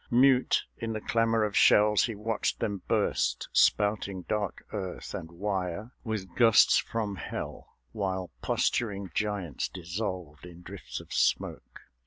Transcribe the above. Mute in the clamour of shells he watched them burst Spouting dark earth and wire with gusts from hell, While posturing giants dissolved in drifts of smoke.